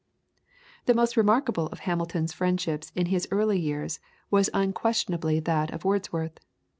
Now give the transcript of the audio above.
] The most remarkable of Hamilton's friendships in his early years was unquestionably that with Wordsworth.